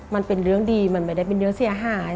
มันเป็นเรื่องดีมันไม่ได้เป็นเรื่องเสียหาย